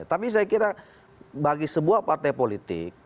tapi saya kira bagi sebuah partai politik